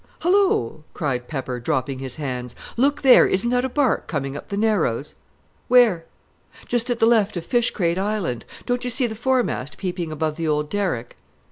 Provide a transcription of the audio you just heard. "Hullo!" cried Pepper, dropping his hands. "Look there! Isn't that a bark coming up the Narrows?" "Where?" "Just at the left of Fishcrate Island. Don't you see the foremast peeping above the old derrick?"